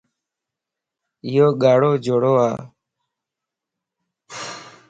ايو ڳارو جوڙو ا